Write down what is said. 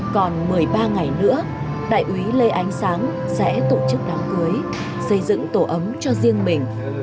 còn một mươi ba ngày nữa đại úy lê ánh sáng sẽ tổ chức đám cưới xây dựng tổ ấm cho riêng mình